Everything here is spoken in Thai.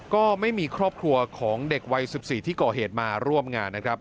ก็ไม่มีครอบครัวของเด็กวัย๑๔ที่ก่อเหตุมาร่วมงานนะครับ